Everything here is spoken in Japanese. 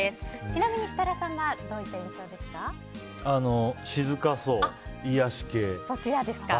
ちなみに設楽さんはどういった印象ですか？